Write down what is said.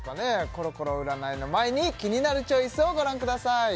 「コロコロ占い」の前に「キニナルチョイス」をご覧ください